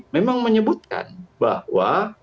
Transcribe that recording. memang menyebutkan bahwa